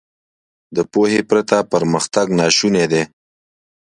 • د پوهې پرته پرمختګ ناشونی دی.